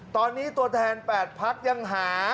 ตอนนี้ตัวแทน๘พักยังหา